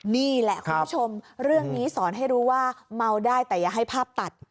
นี่แหละคุณผู้ชมเรื่องนี้สอนให้รู้ว่าเมาได้แต่อย่าให้ภาพตัด